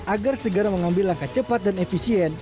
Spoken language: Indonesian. agar segera mengambil langkah cepat dan efisien